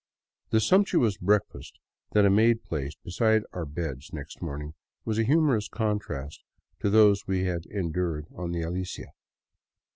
The sumptuous breakfast that a maid placed beside our beds next morning was a humorous con trast to those we had endured on the " Alicia."